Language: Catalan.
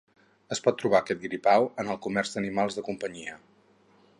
Es pot trobar aquest gripau en el comerç d'animals de companyia.